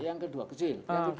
yang kedua kecil